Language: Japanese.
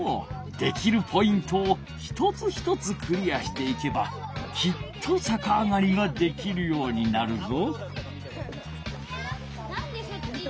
できるポイントを一つ一つクリアしていけばきっとさかあがりができるようになるぞ。